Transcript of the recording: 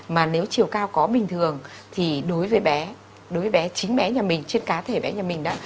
mà nếu chiều cao có bình thường thì đối với bé đối với bé chính bé nhà mình trên cá thể bé nhà mình đó